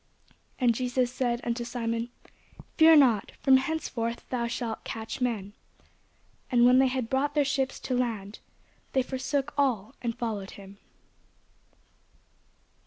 And Jesus said unto Simon, Fear not; from henceforth thou shalt catch men. And when they had brought their ships to land, they forsook all, and followed him.